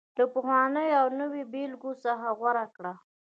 له پخوانيو او نویو بېلګو څخه غوره کړو